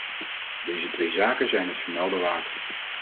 Deze twee zaken zijn het vermelden waard.